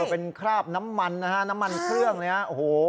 เป็นคราบน้ำมันนะฮะน้ำมันเครื่องเนี่ยโอ้โห